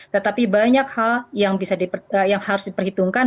tetapi banyak hal yang harus diperhitungkan